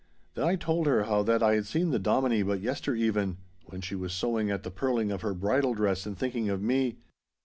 Then I told her how that I had seen the Dominie but yestereven, when she was sewing at the pearling of her bridal dress and thinking of me.